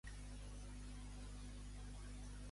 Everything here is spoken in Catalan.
D'on venen els autobusos amb els immigrants?